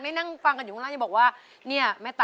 รูปสุดงามสมสังคมเครื่องใครแต่หน้าเสียดายใจทดสกัน